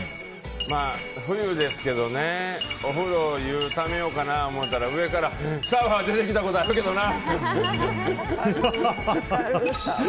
冬ですけどねお風呂湯ためようかな思ったら上からシャワー出てきたことあるけどな！